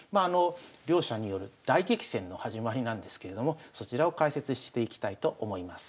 両者による大激戦の始まりなんですけれどもそちらを解説していきたいと思います。